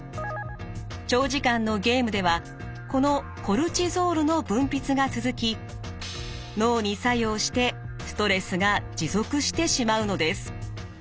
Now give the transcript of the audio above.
長時間のゲームではこのコルチゾールの分泌が続き脳に作用してストレスが持続してしまうのです。